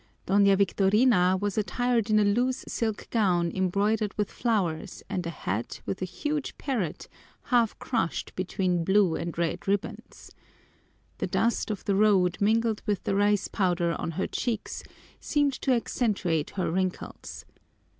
Doña Victorina was attired in a loose silk gown embroidered with flowers and a hat with a huge parrot half crushed between blue and red ribbons. The dust of the road mingled with the rice powder on her cheeks seemed to accentuate her wrinkles.